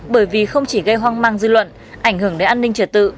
bởi vì không chỉ gây hoang mang dư luận ảnh hưởng đến an ninh trật tự